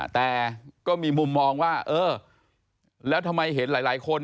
แต่ก็มีมุมมองว่าเออแล้วทำไมเห็นหลายคน